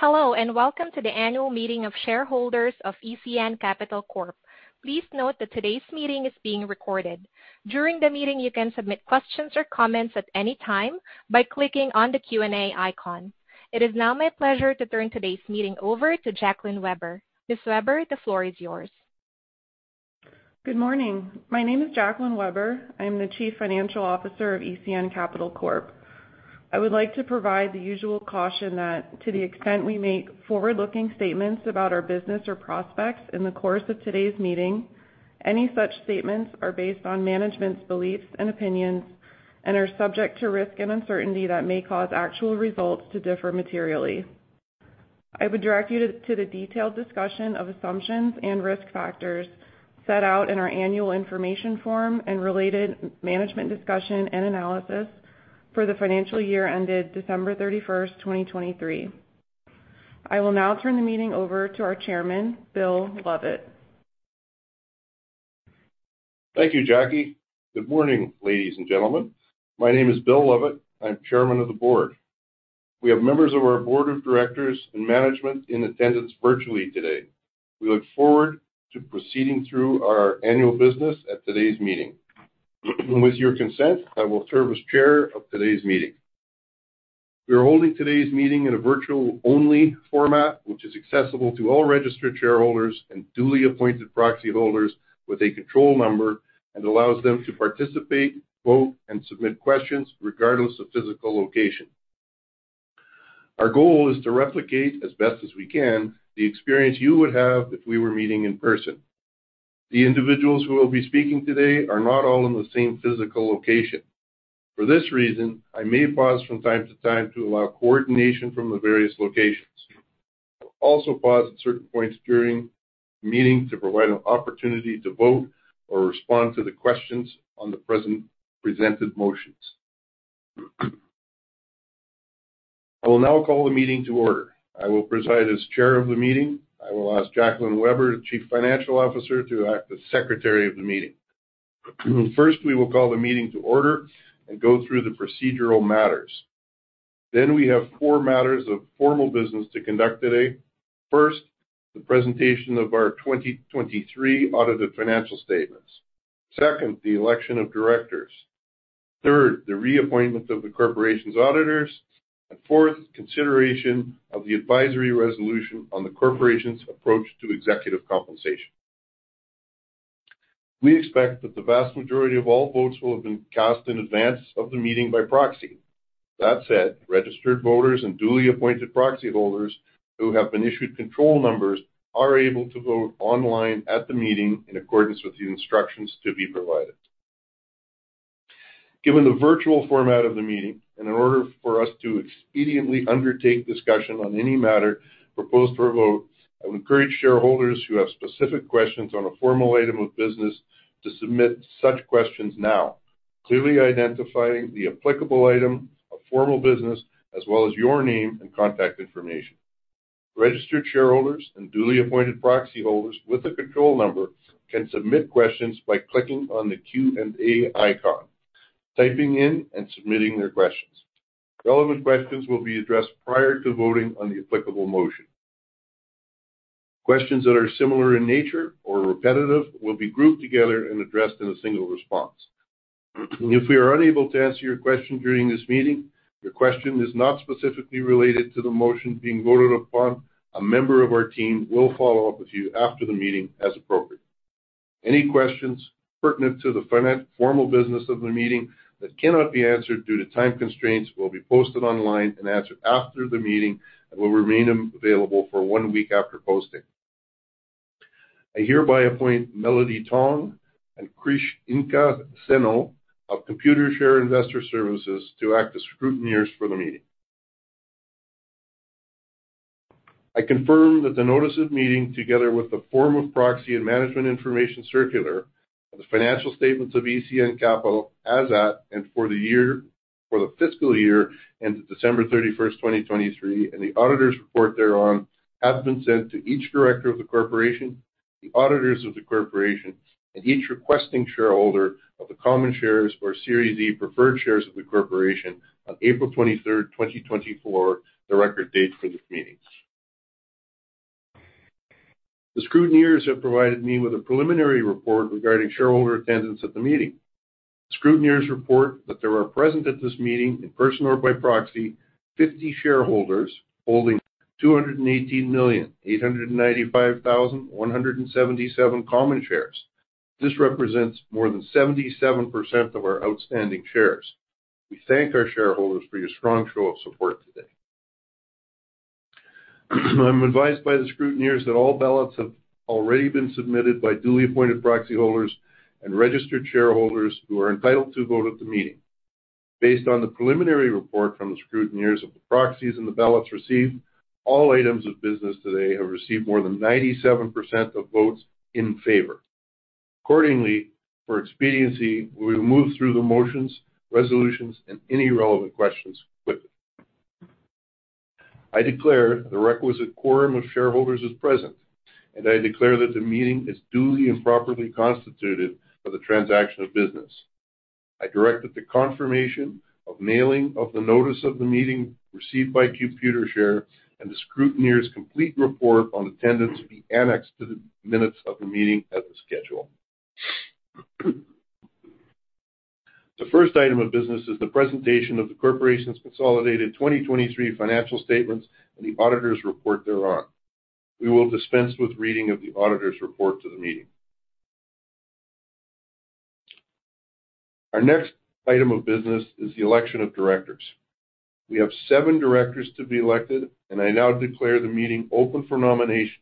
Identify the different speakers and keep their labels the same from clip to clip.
Speaker 1: Hello, welcome to the annual meeting of shareholders of ECN Capital Corp. Please note that today's meeting is being recorded. During the meeting, you can submit questions or comments at any time by clicking on the Q&A icon. It is now my pleasure to turn today's meeting over to Jacqueline Weber. Ms. Weber, the floor is yours.
Speaker 2: Good morning. My name is Jacqueline Weber. I'm the Chief Financial Officer of ECN Capital Corp. I would like to provide the usual caution that to the extent we make forward-looking statements about our business or prospects in the course of today's meeting, any such statements are based on management's beliefs and opinions and are subject to risk and uncertainty that may cause actual results to differ materially. I would direct you to the detailed discussion of assumptions and risk factors set out in our Annual Information Form and related management discussion and analysis for the financial year ended December 31st, 2023. I will now turn the meeting over to our Chairman, Will Lovatt.
Speaker 3: Thank you, Jackie. Good morning, ladies and gentlemen. My name is Will Lovatt. I'm chairman of the board. We have members of our board of directors and management in attendance virtually today. We look forward to proceeding through our annual business at today's meeting. With your consent, I will serve as chair of today's meeting. We are holding today's meeting in a virtual-only format, which is accessible to all registered shareholders and duly appointed proxy holders with a control number and allows them to participate, vote, and submit questions regardless of physical location. Our goal is to replicate as best as we can the experience you would have if we were meeting in person. The individuals who will be speaking today are not all in the same physical location. For this reason, I may pause from time to time to allow coordination from the various locations. I'll also pause at certain points during the meeting to provide an opportunity to vote or respond to the questions on the presented motions. I will now call the meeting to order. I will preside as chair of the meeting. I will ask Jacqueline Weber, the Chief Financial Officer, to act as secretary of the meeting. First, we will call the meeting to order and go through the procedural matters. We have four matters of formal business to conduct today. First, the presentation of our 2023 audited financial statements. Second, the election of directors. Third, the reappointment of the Corporation's auditors. Fourth, consideration of the advisory resolution on the Corporation's approach to executive compensation. We expect that the vast majority of all votes will have been cast in advance of the meeting by proxy. That said, registered voters and duly appointed proxy holders who have been issued control numbers are able to vote online at the meeting in accordance with the instructions to be provided. Given the virtual format of the meeting, and in order for us to expediently undertake discussion on any matter proposed for a vote, I would encourage shareholders who have specific questions on a formal item of business to submit such questions now, clearly identifying the applicable item of formal business as well as your name and contact information. Registered shareholders and duly appointed proxy holders with a control number can submit questions by clicking on the Q&A icon, typing in and submitting their questions. Relevant questions will be addressed prior to voting on the applicable motion. Questions that are similar in nature or repetitive will be grouped together and addressed in a single response. If we are unable to answer your question during this meeting, your question is not specifically related to the motion being voted upon, a member of our team will follow up with you after the meeting as appropriate. Any questions pertinent to the formal business of the meeting that cannot be answered due to time constraints will be posted online and answered after the meeting and will remain available for one week after posting. I hereby appoint Melody Tong and Krish Inka Seno of Computershare Investor Services to act as scrutineers for the meeting. I confirm that the notice of meeting, together with the form of proxy and Management Information Circular, the financial statements of ECN Capital as at and for the fiscal year ended December 31st, 2023, and the auditor's report thereon, has been sent to each director of the corporation, the auditors of the corporation, and each requesting shareholder of the common shares or Series D preferred shares of the corporation on April 23rd, 2024, the record date for this meeting. The scrutineers have provided me with a preliminary report regarding shareholder attendance at the meeting. The scrutineers report that there are present at this meeting, in person or by proxy, 50 shareholders holding 218,895,177 common shares. This represents more than 77% of our outstanding shares. We thank our shareholders for your strong show of support today. I'm advised by the scrutineers that all ballots have already been submitted by duly appointed proxy holders and registered shareholders who are entitled to vote at the meeting. Based on the preliminary report from the scrutineers of the proxies and the ballots received, all items of business today have received more than 97% of votes in favor. Accordingly, for expediency, we will move through the motions, resolutions, and any relevant questions quickly. I declare the requisite quorum of shareholders is present, and I declare that the meeting is duly and properly constituted for the transaction of business. I direct that the confirmation of mailing of the notice of the meeting received by Computershare and the scrutineer's complete report on attendance be annexed to the minutes of the meeting as the schedule. The first item of business is the presentation of the corporation's consolidated 2023 financial statements and the auditor's report thereon. We will dispense with reading of the auditor's report to the meeting. Our next item of business is the election of directors. We have seven directors to be elected, and I now declare the meeting open for nominations.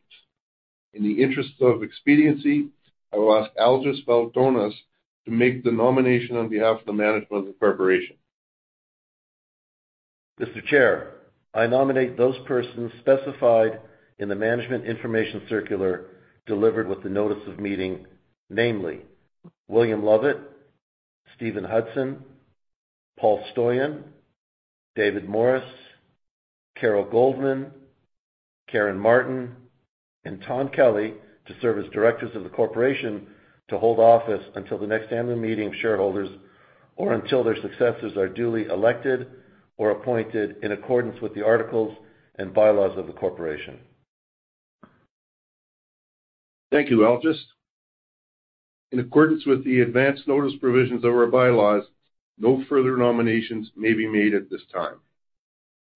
Speaker 3: In the interest of expediency, I will ask Algis Vaitonis to make the nomination on behalf of the management of the corporation.
Speaker 4: Mr. Chair, I nominate those persons specified in the Management Information Circular delivered with the notice of meeting, namely William Lovatt, Steven Hudson, Paul Stoyan, David Morris, Carol Goldman, Karen Martin, and Tawn Kelley to serve as directors of the corporation to hold office until the next annual meeting of shareholders or until their successors are duly elected or appointed in accordance with the articles and bylaws of the corporation.
Speaker 3: Thank you, Algis. In accordance with the advance notice provisions of our bylaws, no further nominations may be made at this time.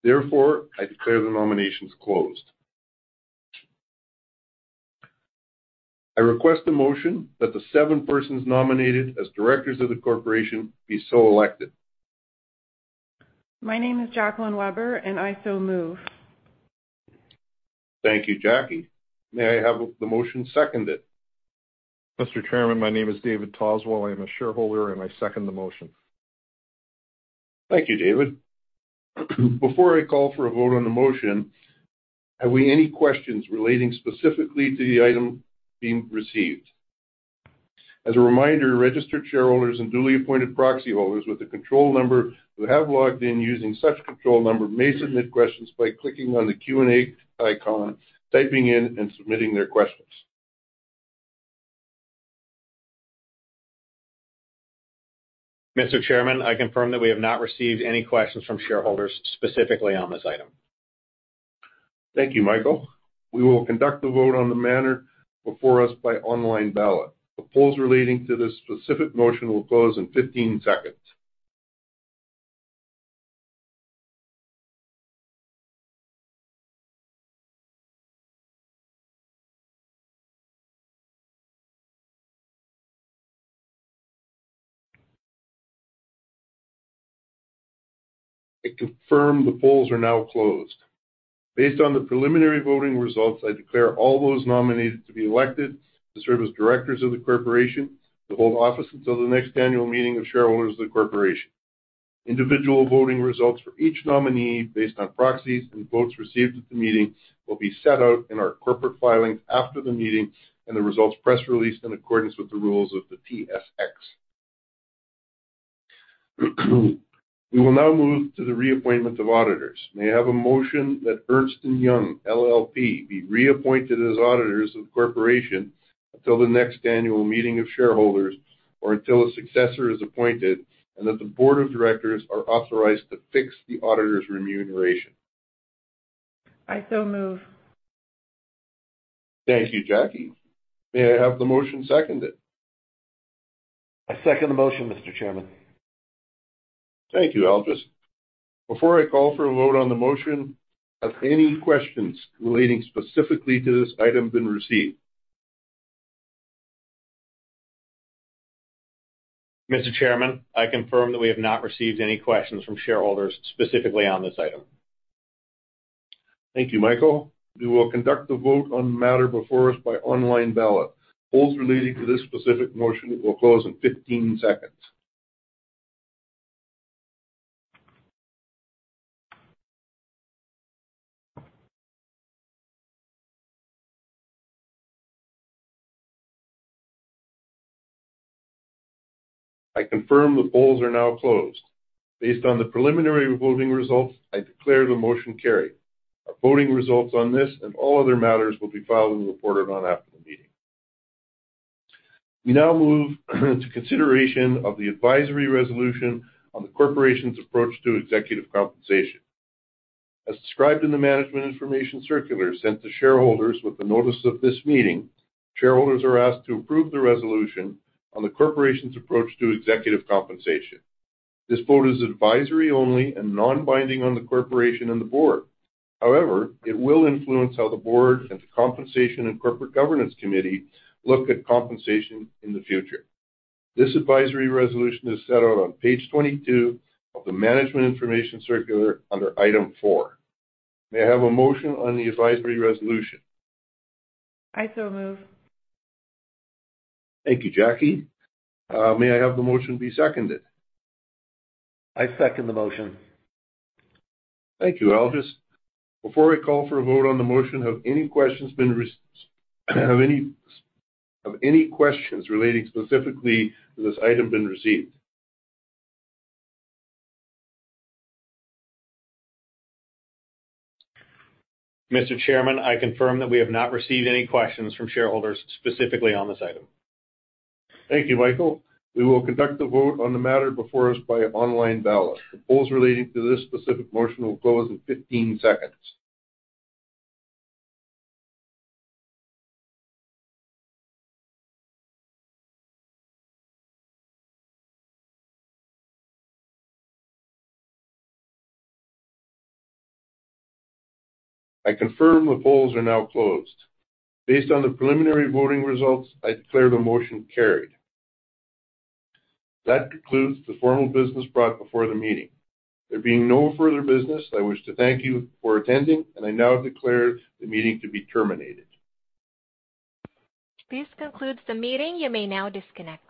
Speaker 3: Therefore, I declare the nominations closed. I request a motion that the seven persons nominated as directors of the corporation be so elected.
Speaker 2: My name is Jacqueline Weber, and I so move.
Speaker 3: Thank you, Jackie. May I have the motion seconded?
Speaker 5: Mr. Chairman, my name is David Osswald. I am a shareholder, and I second the motion.
Speaker 3: Thank you, David. Before I call for a vote on the motion, have we any questions relating specifically to the item being received? As a reminder, registered shareholders and duly appointed proxy holders with a control number who have logged in using such control number may submit questions by clicking on the Q&A icon, typing in and submitting their questions.
Speaker 6: Mr. Chairman, I confirm that we have not received any questions from shareholders specifically on this item.
Speaker 3: Thank you, Michael. We will conduct the vote on the matter before us by online ballot. The polls relating to this specific motion will close in 15 seconds. I confirm the polls are now closed. Based on the preliminary voting results, I declare all those nominated to be elected to serve as directors of the corporation to hold office until the next annual meeting of shareholders of the corporation. Individual voting results for each nominee based on proxies and votes received at the meeting will be set out in our corporate filings after the meeting and the results press released in accordance with the rules of the TSX. We will now move to the reappointment of auditors. May I have a motion that Ernst & Young LLP be reappointed as auditors of the corporation until the next annual meeting of shareholders or until a successor is appointed and that the board of directors are authorized to fix the auditors' remuneration?
Speaker 2: I so move.
Speaker 3: Thank you, Jackie. May I have the motion seconded?
Speaker 4: I second the motion, Mr. Chairman.
Speaker 3: Thank you, Algis. Before I call for a vote on the motion, have any questions relating specifically to this item been received?
Speaker 6: Mr. Chairman, I confirm that we have not received any questions from shareholders specifically on this item.
Speaker 3: Thank you, Michael. We will conduct the vote on the matter before us by online ballot. Polls relating to this specific motion will close in 15 seconds. I confirm the polls are now closed. Based on the preliminary voting results, I declare the motion carried. Our voting results on this and all other matters will be filed and reported on after the meeting. We now move to consideration of the advisory resolution on the corporation's approach to executive compensation. As described in the Management Information Circular sent to shareholders with the notice of this meeting, shareholders are asked to approve the resolution on the corporation's approach to executive compensation. This vote is advisory only and non-binding on the corporation and the board. However, it will influence how the board and the Compensation & Corporate Governance Committee look at compensation in the future. This advisory resolution is set out on page 22 of the Management Information Circular under item 4. May I have a motion on the advisory resolution?
Speaker 2: I so move.
Speaker 3: Thank you, Jackie. May I have the motion be seconded?
Speaker 4: I second the motion.
Speaker 3: Thank you, Algis. Before I call for a vote on the motion, have any questions relating specifically to this item been received?
Speaker 6: Mr. Chairman, I confirm that we have not received any questions from shareholders specifically on this item.
Speaker 3: Thank you, Michael. We will conduct the vote on the matter before us by online ballot. The polls relating to this specific motion will close in 15 seconds. I confirm the polls are now closed. Based on the preliminary voting results, I declare the motion carried. That concludes the formal business brought before the meeting. There being no further business, I wish to thank you for attending, and I now declare the meeting to be terminated.
Speaker 1: This concludes the meeting. You may now disconnect.